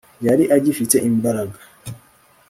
yari agifite imbaraga